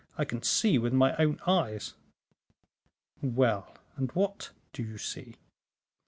I can see with my own eyes." "Well, and what do you see?"